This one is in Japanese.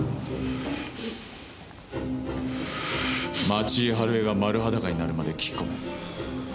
町井春枝が丸裸になるまで聞き込め。